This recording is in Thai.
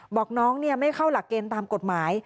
บอกน้องไม่เข้าหลักเกณฑ์ตามกฎหมาย